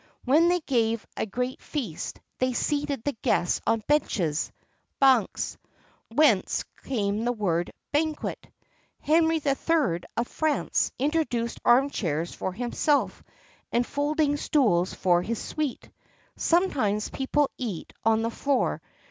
When they gave a great feast, they seated the guests on benches bancs whence comes the word "banquet."[XXXII 69] Henry III. of France introduced arm chairs for himself, and folding stools for his suite.[XXXII 70] Sometimes people eat on the floor.